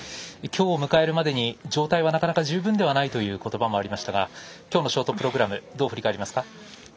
今日を迎えるまでに状態はなかなか十分ではないという言葉もありましたが今日のショートプログラムどう振り返りますか？